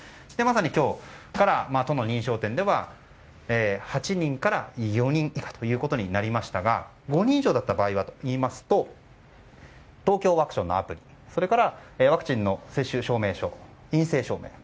まさに今日からとの認証店では８人から４人以下ということになりましたが５人以上だった場合はＴＯＫＹＯワクションのアプリそれからワクチン接種証明書陰性証明。